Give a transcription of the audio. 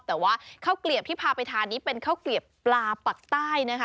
แต่ว่าข้าวเกลียบที่พาไปทานนี้เป็นข้าวเกลียบปลาปักใต้นะคะ